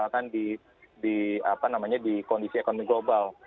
bukan lagi misalkan di kondisi ekonomi global